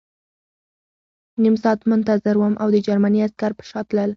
نیم ساعت منتظر وم او د جرمني عسکر په شا تلل